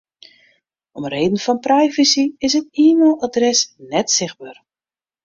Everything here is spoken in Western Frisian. Om reden fan privacy is it e-mailadres net sichtber.